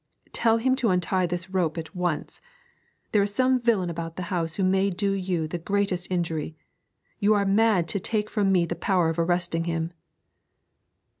'Tell him to untie this rope at once. There is some villain about the house who may do you the greatest injury; you are mad to take from me the power of arresting him.'